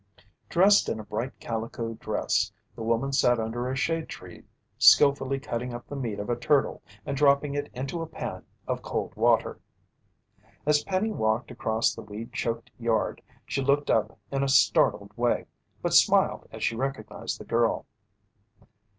Dressed in a bright calico dress, the woman sat under a shade tree skillfully cutting up the meat of a turtle and dropping it into a pan of cold water. As Penny walked across the weed choked yard, she looked up in a startled way, but smiled as she recognized the girl.